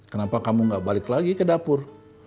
kenapa kamu gak balik lagi ke dapur